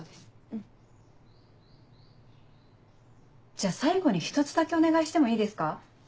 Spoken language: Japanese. じゃ最後に一つだけお願いしてもいいですか？